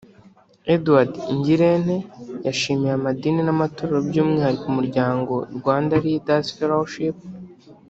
Edward Ngirente yashimiye amadini n’amatorero by’umwihariko Umuryango ’Rwanda Leaders Fellowship’